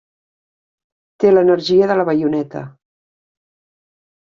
Té l'energia de la baioneta.